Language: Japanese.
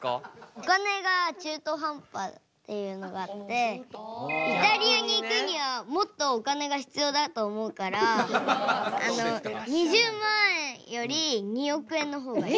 お金が中途半端っていうのがあってイタリアに行くにはもっとお金が必要だと思うから２０万円より２億円の方がいい。